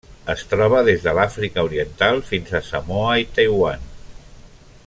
Es troba des de l'Àfrica Oriental fins a Samoa i Taiwan.